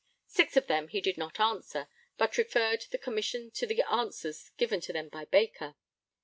Six of them he did not answer, but referred the Commissioners to the answers given to them by Baker.